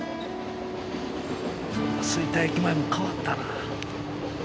吹田駅前も変わったな。